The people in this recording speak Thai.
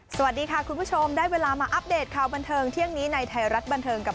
สวัสดีค่ะคุณผู้ชมได้เวลามาอัปเดตข่าวบันเทิงเที่ยงนี้ในไทยรัฐบันเทิงกับ